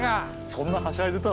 そんなはしゃいでた？